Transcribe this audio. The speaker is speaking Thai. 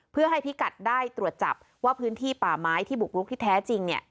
เพื่อให้พิกัดได้ตรวจจับว่าพื้นที่ป่าไม้ที่บุกรุกที่แท้จริง